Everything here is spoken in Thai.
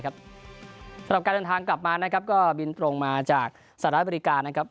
สำหรับการเดินทางกลับมานะครับก็บินตรงมาจากสหรัฐอเมริกานะครับ